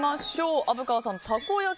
虻川さん、たこ焼き